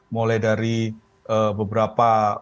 mulai dari beberapa tokoh